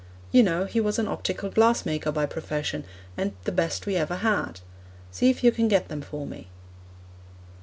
You know, he was an optical glass maker by profession, and the best we ever had. See if you can get them for me.'